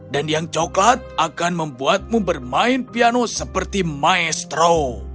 yang coklat akan membuatmu bermain piano seperti maestro